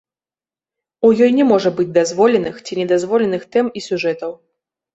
У ёй не можа быць дазволеных, ці не дазволеных тэм і сюжэтаў.